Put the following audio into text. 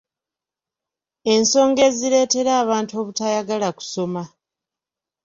ensonga ezireetera abantu obutayagala kusoma.